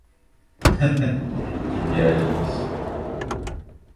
Haha, que viagem, isso.